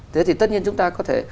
thế thì tất nhiên chúng ta có thể